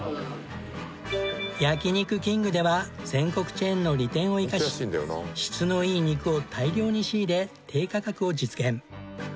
焼肉きんぐでは全国チェーンの利点を生かし質のいい肉を大量に仕入れ低価格を実現。